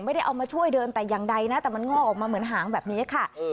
ไม่ได้เอามาช่วยเดินแต่อย่างใดนะแต่มันงอกออกมาเหมือนหางแบบนี้ค่ะ